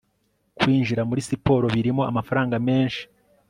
Kwinjira muri siporo birimo amafaranga menshi